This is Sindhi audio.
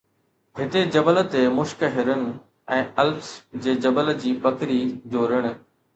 هتي جبل تي مشڪ هرن، ۽ الپس جي جبل جي بکري جو رڻ